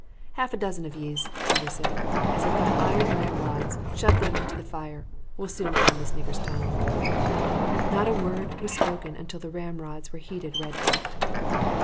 "Half a dozen of yez," Peter said, "as have got iron ramrods shove them into the fire. We'll soon find this nigger's tongue." Not a word was spoken until the ramrods were heated red hot.